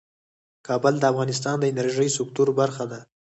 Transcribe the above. کابل د افغانستان د انرژۍ سکتور برخه ده.